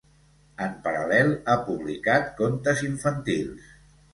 En paral·lel, ha publicat contes infantils.